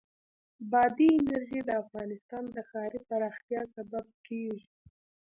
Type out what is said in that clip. بادي انرژي د افغانستان د ښاري پراختیا سبب کېږي.